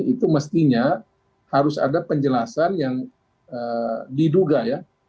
itu mestinya harus ada penjelasan yang diduga ya